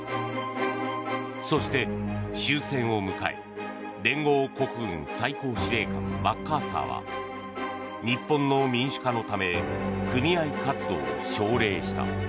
そして、終戦を迎え連合国軍最高司令官マッカーサーは日本の民主化のため組合活動を奨励した。